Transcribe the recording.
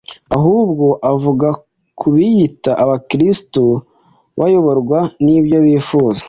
ahubwo avuga ku biyita Abakristo bayoborwa n’ibyo bifuza,